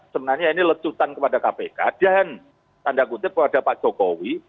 sebenarnya ini lecutan kepada kpk dan tanda kutip kepada pak jokowi